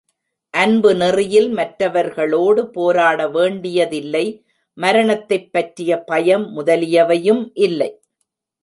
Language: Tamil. அன்பு நெறியில் மற்றவர்களோடு போராட வேண்டியதில்லை மரணத்தைப் பற்றிய பயம் முதலியவையும் இல்லை.